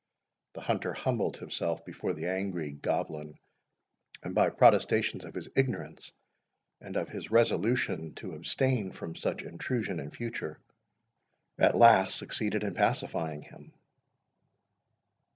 The hunter humbled himself before the angry goblin, and by protestations of his ignorance, and of his resolution to abstain from such intrusion in future, at last succeeded in pacifying him.